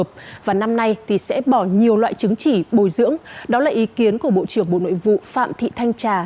bỏ nhiều loại chứng chỉ bồi dưỡng đó là ý kiến của bộ trưởng bộ nội vụ phạm thị thanh trà